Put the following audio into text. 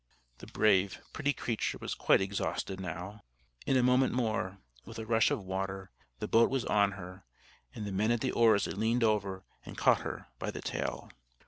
The brave, pretty creature was quite exhausted now. In a moment more, with a rush of water, the boat was on her, and the man at the oars had leaned over and caught her by the tail.